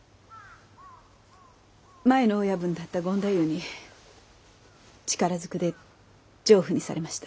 前の親分だった権太夫に力ずくで情婦にされました。